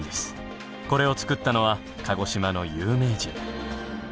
これを作ったのは鹿児島の有名人。